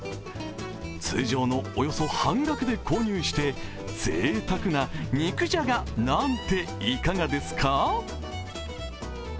通常のおよそ半額で購入して、ぜいたくな、肉じゃがなんていかがですか。